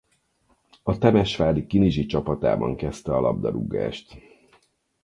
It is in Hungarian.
A Temesvári Kinizsi csapatában kezdte a labdarúgást.